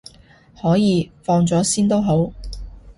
可以，放咗先都好